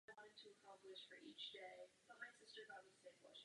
Reprezentoval klub na středních a delších tratích a v bězích mimo dráhu.